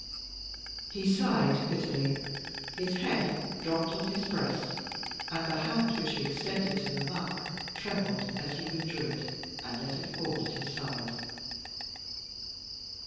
He sighed bitterly; his head dropped on his breast, and the hand which he had extended to Lomaque trembled as he withdrew it and let it fall at his side.